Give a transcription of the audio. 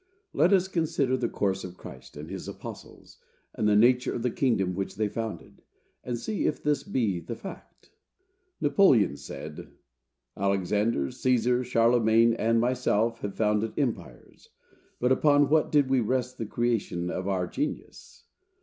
Let us consider the course of Christ and his apostles, and the nature of the kingdom which they founded, and see if this be the fact. Napoleon said, "Alexander, Cæsar, Charlemagne and myself, have founded empires; but upon what did we rest the creation of our genius?